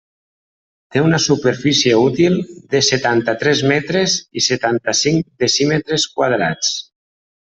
Té una superfície útil de setanta-tres metres i setanta-cinc decímetres quadrats.